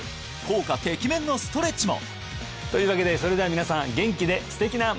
効果てきめんのストレッチも！というわけでそれでは皆さん元気で素敵な毎日を！